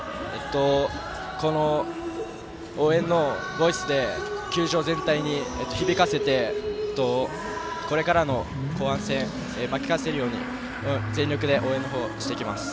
この応援のボイスを球場全体に響かせてこれから後半戦巻き返せるように全力で応援していきます。